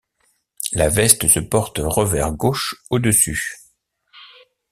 La veste se porte revers gauche au-dessus.